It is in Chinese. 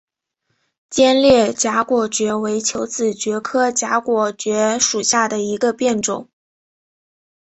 尖裂荚果蕨为球子蕨科荚果蕨属下的一个变种。